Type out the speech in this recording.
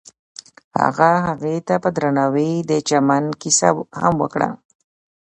هغه هغې ته په درناوي د چمن کیسه هم وکړه.